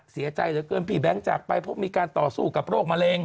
เสียใจเหลือเกินพี่แบงค์จากไปเพราะมีการต่อสู้กับโรคมะเร็ง